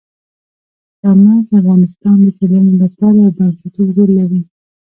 چار مغز د افغانستان د ټولنې لپاره یو بنسټيز رول لري.